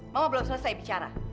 mama belum selesai bicara